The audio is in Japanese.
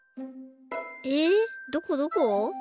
えっどこどこ？